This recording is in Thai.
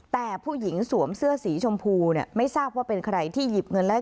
แต่ผู้หญิงสวมเสื้อสีชมพูเนี่ยไม่ทราบว่าเป็นใครที่หยิบเงินแล้ว